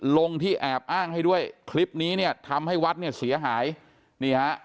ลงที่แอบอ้างให้ด้วยคลิปนี้เนี่ยทำให้วัดเนี่ยเสียหายนี่ฮะ